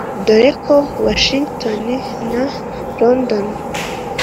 dore ko washington na london